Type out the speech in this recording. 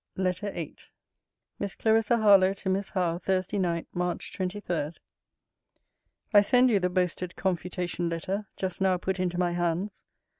LETTER VIII MISS CLARISSA HARLOWE, TO MISS HOWE THURSDAY NIGHT, MARCH 23. I send you the boasted confutation letter, just now put into my hands.